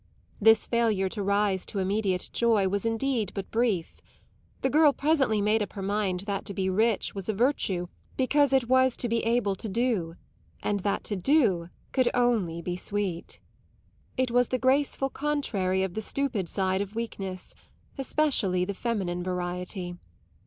This failure to rise to immediate joy was indeed but brief; the girl presently made up her mind that to be rich was a virtue because it was to be able to do, and that to do could only be sweet. It was the graceful contrary of the stupid side of weakness especially the feminine variety.